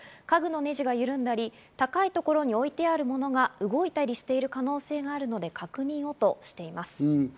家具のネジが緩んだり、高いところに置いてある物が動いたりしている可能性があるので確認をとしています。